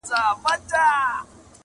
• ستونی ولي په نارو څیرې ناحقه -